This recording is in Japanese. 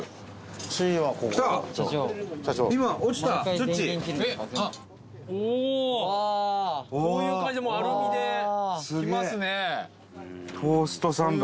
土屋：こういう感じでもう、アルミで来ますね。